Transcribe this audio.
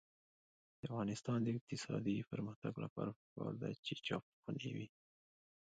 د افغانستان د اقتصادي پرمختګ لپاره پکار ده چې چاپخونې وي.